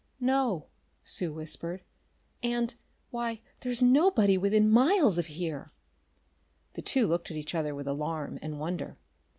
"No," Sue whispered. "And why, there's nobody within miles of here!" The two looked at each other with alarm and wonder.